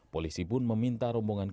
polisi pun meminta rombongan